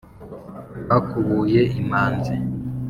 Bakubuye imanzi